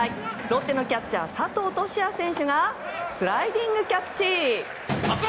ロッテのキャッチャー佐藤都志也選手がスライディングキャッチ！